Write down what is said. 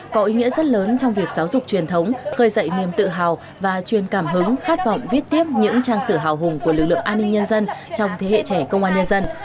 có ý nghĩa rất lớn trong việc giáo dục truyền thống khơi dậy niềm tự hào và truyền cảm hứng khát vọng viết tiếp những trang sử hào hùng của lực lượng an ninh nhân dân trong thế hệ trẻ công an nhân dân